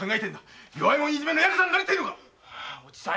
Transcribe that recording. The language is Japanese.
弱い者いじめのヤクザになりてぇのか